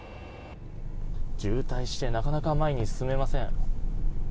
渋滞してなかなか前に進めません。